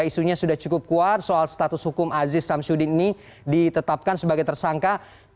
isunya sudah cukup kuat soal status hukum aziz samsuddin ini ditetapkan sebagai tersangka